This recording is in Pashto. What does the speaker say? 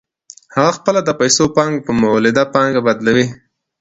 هغه خپله د پیسو پانګه په مولده پانګه بدلوي